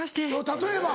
例えば？